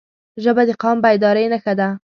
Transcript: ژبه د قوم بیدارۍ نښه ده